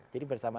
jadi bersama saya